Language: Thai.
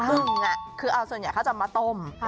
อึ่งคือเอาส่วนใหญ่เขาจะมาต้ม